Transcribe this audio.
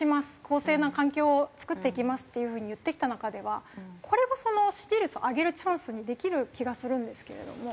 公正な環境を作っていきますっていう風に言ってきた中ではこれもその支持率を上げるチャンスにできる気がするんですけれども。